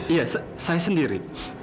iya saya sendiri